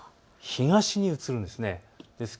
東に移るんです。